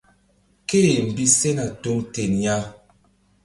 Ké-e mbi sena tuŋ ten ya.